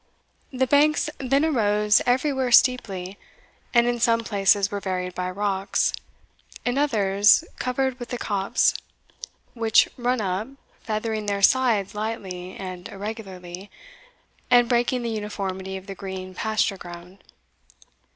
The banks then arose everywhere steeply, and in some places were varied by rocks in others covered with the copse, which run up, feathering their sides lightly and irregularly, and breaking the uniformity of the green pasture ground.